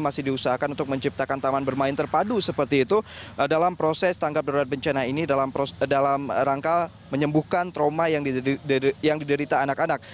masih diusahakan untuk menciptakan taman bermain terpadu seperti itu dalam proses tanggap darurat bencana ini dalam rangka menyembuhkan trauma yang diderita anak anak